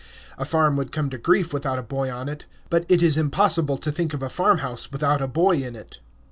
A farm would come to grief without a boy on it, but it is impossible to think of a farmhouse without a boy in it.